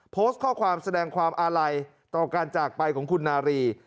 โพสต์ข้อความแสดงความอาลัยต่อการจากไปของคุณนารี